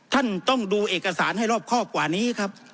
ท่านต้องดูเอกสารให้รอบครอบกว่านี้ครับ